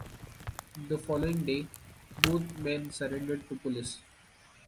The following day, both men surrendered to police.